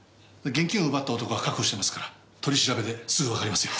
現金を奪った男は確保してますから取り調べですぐわかりますよ。